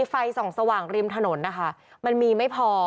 ไฟส่องสว่างริมถนนนะคะมันมีไม่พอ